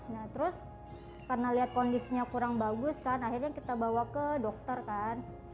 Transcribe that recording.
nah terus karena lihat kondisinya kurang bagus kan akhirnya kita bawa ke dokter kan